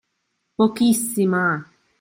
Pochissima.